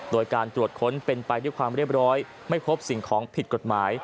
โดยการตรวจค้นเป็นไปด้วยความเรียบร้อยไม่พบสิ่งของผิดกฎหมาย